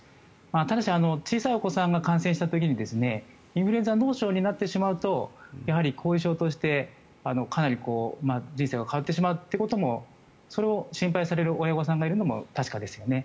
ただし小さいお子さんが感染した時にインフルエンザ脳症になってしまうとやはり後遺症として人生が変わってしまうということもそれを心配される親御さんがいるのも事実ですよね。